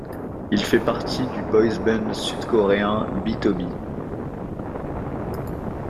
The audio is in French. Il fait partie du boys band sud-coréen BtoB.